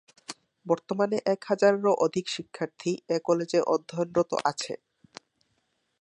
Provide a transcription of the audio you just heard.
বর্তমানে এক হাজারেরও অধিক শিক্ষার্থী এ কলেজে অধ্যয়নরত আছে।